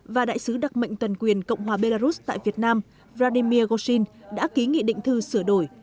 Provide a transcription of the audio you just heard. và đại sứ đặc mệnh tần quyền cộng hòa belarus tại việt nam vladimir goshin đã ký nghị định thư sửa đổi